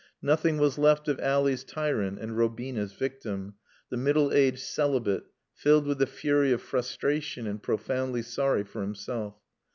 Nothing was left of Ally's tyrant and Robina's victim, the middle aged celibate, filled with the fury of frustration and profoundly sorry for himself.